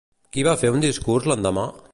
Qui va fer un discurs l'endemà?